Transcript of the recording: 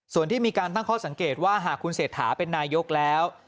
ส่วนที่มีการตั้งข้อสังเกตว่าหากคุณเศรษฐาเป็นนายกแล้ว